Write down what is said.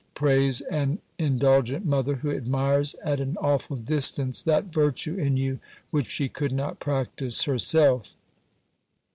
prays an indulgent mother, who admires at an awful distance, that virtue in you, which she could not practise herself.